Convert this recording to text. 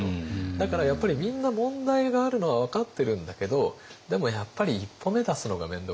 だからやっぱりみんな問題があるのは分かってるんだけどでもやっぱり一歩目出すのがめんどくさい。